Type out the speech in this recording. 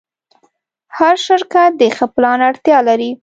هر شرکت د ښه پلان اړتیا لري.